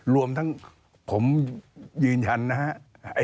รวมทั้งผมยืนยันนะฮะ